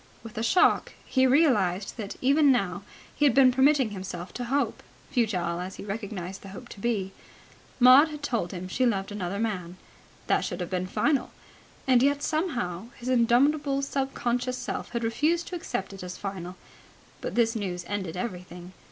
With a shock he realized that even now he had been permitting himself to hope, futile as he recognized the hope to be. Maud had told him she loved another man. That should have been final. And yet somehow his indomitable sub conscious self had refused to accept it as final. But this news ended everything.